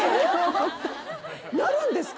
なるんですか？